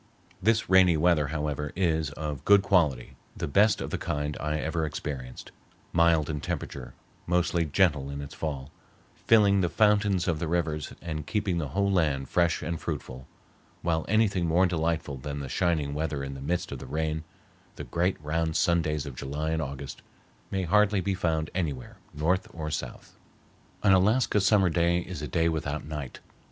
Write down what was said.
This rainy weather, however, is of good quality, the best of the kind I ever experienced, mild in temperature, mostly gentle in its fall, filling the fountains of the rivers and keeping the whole land fresh and fruitful, while anything more delightful than the shining weather in the midst of the rain, the great round sun days of July and August, may hardly be found anywhere, north or south. An Alaska summer day is a day without night.